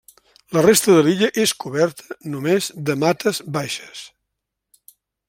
La resta de l'illa és coberta només de mates baixes.